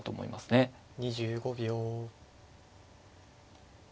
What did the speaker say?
２５秒。